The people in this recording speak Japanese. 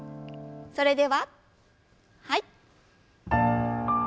それでははい。